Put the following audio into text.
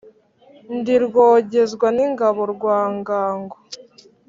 Ndi Rwogezwa n’ingabo rwa Ngango,